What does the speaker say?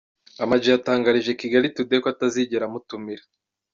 Ama-G yatangarije Kigali Today ko atazigera amutumira.